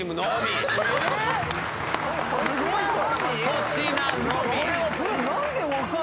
すごいぞ！